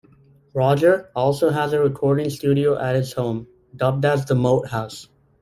Roger also has a recording studio at his home, dubbed as the "Moat House".